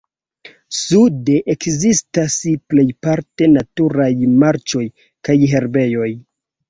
Sude ekzistas plejparte naturaj marĉoj kaj herbejoj.